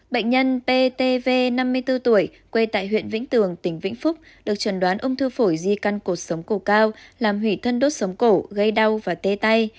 bệnh nhân ptv năm mươi bốn tuổi quê tại huyện vĩnh tường tỉnh vĩnh phúc được chuẩn đoán ung thư phổi di căn cột sống cổ cao làm hủy thân đốt sống cổ gây đau và tê tay